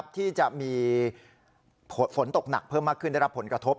ที่จะมีฝนตกหนักเพิ่มมากขึ้นได้รับผลกระทบ